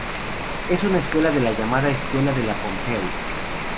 Es una película de la llamada "Escuela de la Pompeu".